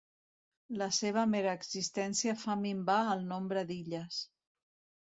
La seva mera existència fa minvar el nombre d'illes.